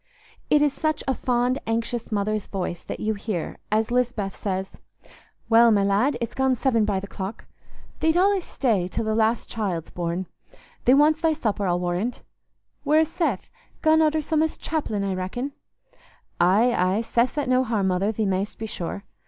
It is such a fond anxious mother's voice that you hear, as Lisbeth says, "Well, my lad, it's gone seven by th' clock. Thee't allays stay till the last child's born. Thee wants thy supper, I'll warrand. Where's Seth? Gone arter some o's chapellin', I reckon?" "Aye, aye, Seth's at no harm, mother, thee mayst be sure.